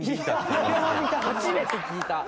初めて聞いた。